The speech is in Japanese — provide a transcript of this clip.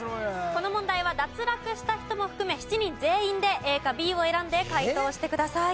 この問題は脱落した人も含め７人全員でＡかＢを選んで解答してください。